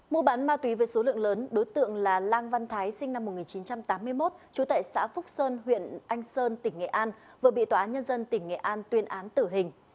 mua bán ma túy với số lượng lớn đối tượng là lang văn thái sinh năm một nghìn chín trăm tám mươi một trú tại xã phúc sơn huyện anh sơn tỉnh nghệ an vừa bị tòa án nhân dân tỉnh nghệ an tuyên án tử hình